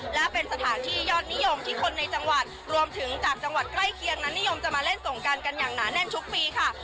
และเป็นสถานที่ยอดนิยมที่คนในจังหวัดรวมถึงจากจังหวัดใกล้เคียงนั้นนิยมจะมาเล่นสงการกันอย่างหนาแน่นทุกปีค่ะ